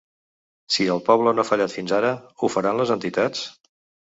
Si el poble no ha fallat fins ara, ho faran les entitats?